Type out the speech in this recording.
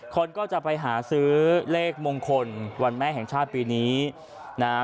คนก็จะไปหาซื้อเลขมงคลวันแม่แห่งชาติปีนี้นะฮะ